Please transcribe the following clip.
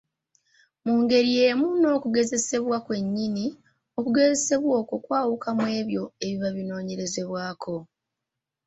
Mu ngeri y’emu n’okugezesebwa kwennyini, okugezesebwa okwo kwawuka mu ebyo ebiba binoonyerezebwako.